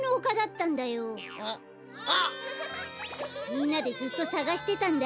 みんなでずっとさがしてたんだ。